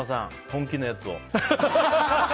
本気のやつを。